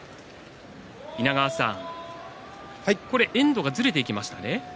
稲川さん遠藤がずれていきましたね。